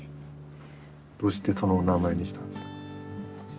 どうしてそのお名前にしたんですか？